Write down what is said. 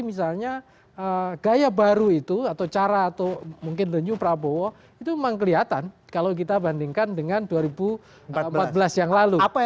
misalnya gaya baru itu atau cara atau mungkin the new prabowo itu memang kelihatan kalau kita bandingkan dengan dua ribu empat belas yang lalu